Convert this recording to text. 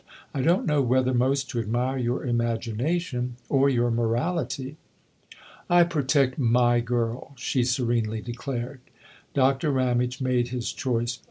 " I don't know whether most to admire your imagination or your morality." " I protect my girl/' she serenely declared. Doctor Ramage made his choice.